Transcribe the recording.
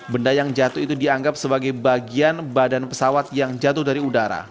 benda yang jatuh itu dianggap sebagai bagian badan pesawat yang jatuh dari udara